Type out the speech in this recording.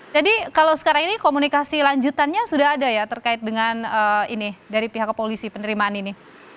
jadi kalau sekarang ini komunikasi lanjutannya sudah ada ya terkait dengan ini dari pihak kepolisi penerimaan ini